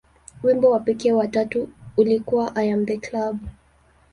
Wimbo wa kipekee wa tatu ulikuwa "I Am The Club".